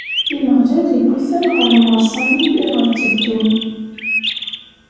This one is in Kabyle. Ameɣlal iwwi-ten ɣer lmeṛsa-nni iɣer tteddun.